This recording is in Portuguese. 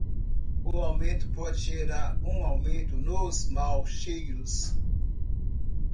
O aumento pode gerar um aumento nos maus cheiros.